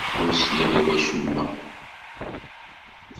Ur sliɣ i wacemma.